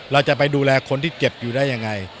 เราจะไปดูแลคนที่เจ็บอยู่ได้ยังไง